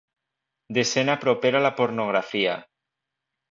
Desena propera a la pornografia.